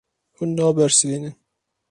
Hûn nabersivînin.